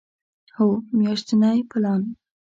هو، میاشتنی پلان